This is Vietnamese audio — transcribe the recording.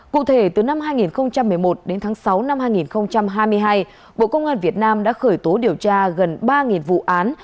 cụ thể từ năm hai nghìn một mươi một đến tháng sáu năm hai nghìn hai mươi hai bộ công an việt nam đã khởi tố điều tra gần ba vụ án